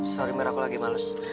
sorry mer aku lagi males